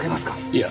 いや。